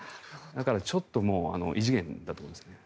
だからちょっと異次元だと思いますね。